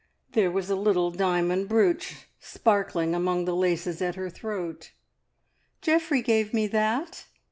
There was a little diamond brooch sparkling among the laces at her throat. "Geoffrey gave me that!"